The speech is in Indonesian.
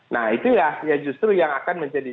nah itu ya justru yang akan menjadi